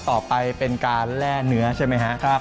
ต่อไปเป็นการแร่เนื้อใช่ไหมครับ